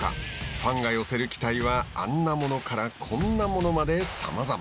ファンが寄せる期待はあんなものからこんなものまでさまざま。